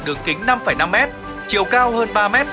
đường kính năm năm m chiều cao hơn ba m